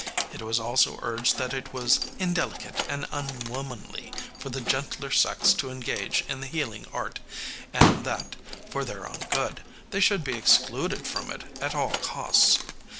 It was also urged that it was indelicate and unwomanly for the gentler sex to engage in the healing art, and that, for their own good, they should be excluded from it at all costs.